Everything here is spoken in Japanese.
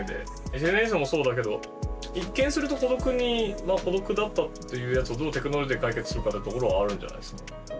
ＳＮＳもそうだけど一見すると孤独に孤独だったというやつをどうテクノロジーで解決するかってところはあるんじゃないですか。